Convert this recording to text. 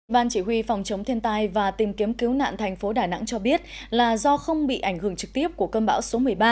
ban chỉ huy phòng chống thiên tai và tìm kiếm cứu nạn thành phố đà nẵng cho biết là do không bị ảnh hưởng trực tiếp của cơn bão số một mươi ba